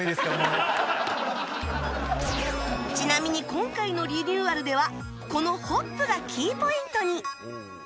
ちなみに今回のリニューアルではこのホップがキーポイントに